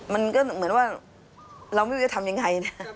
มันก็เหมือนว่าเราไม่รู้จะทำยังไงนะ